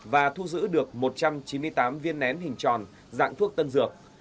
và thu giữ được một trăm chín mươi tám viên nén hình tròn dạng thuốc tân dược